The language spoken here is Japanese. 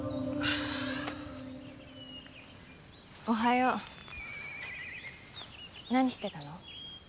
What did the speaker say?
おはよう何してたの？